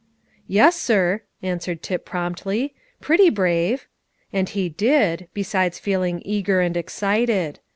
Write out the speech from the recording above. "Yes, sir," answered Tip promptly; "pretty brave." And he did, besides feeling eager and excited.